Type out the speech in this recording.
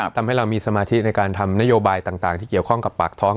ทำให้เรามีสมาธิในการทำนโยบายต่างที่เกี่ยวข้องกับปากท้อง